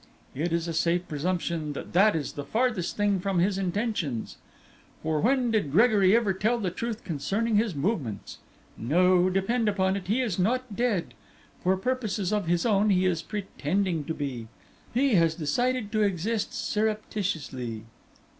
It is a safe presumption that that is the farthest thing from his intentions. For when did Gregory ever tell the truth concerning his movements? No, depend upon it, he is not dead. For purposes of his own, he is pretending to be. He has decided to exist surreptitiously."